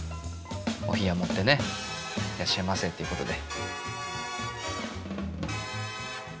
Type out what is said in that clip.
お冷持ってねいらっしゃいませっていうことで。